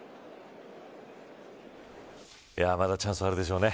まだチャンスはあるでしょうね。